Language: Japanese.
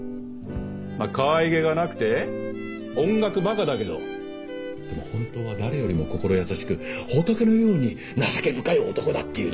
まぁかわいげがなくて音楽バカだけどでも本当は誰よりも心優しく仏のように情け深い男だっていうのはね。